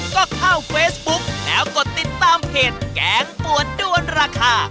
ก็เข้าเฟซบุ๊กแล้วกดติดตามเพจแกงปวดด้วนราคา